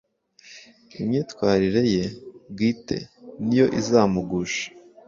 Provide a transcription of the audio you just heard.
imyitwalire ye bwite ni yo izamugusha